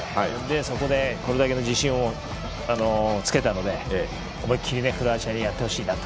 そこでこれだけの自信をつけたので思いっきりクロアチアとやってほしいなと。